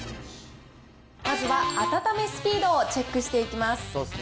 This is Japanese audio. まずは、温めスピードをチェックしていきます。